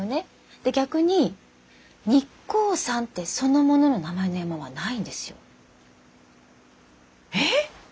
で逆に「日光山」ってそのものの名前の山はないんですよ。えっ！？